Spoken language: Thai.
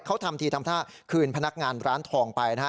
เขาทำทีทำท่าคืนพนักงานร้านทองไปนะฮะ